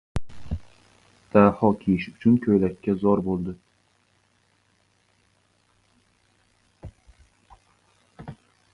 Daho kiyish uchun ko‘ylakka zor bo‘ldi.